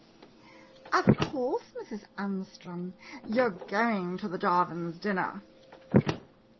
" Of course, Mrs. Anstrom, you 're going to the Jarvin's dinner